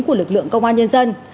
của lực lượng công an nhân dân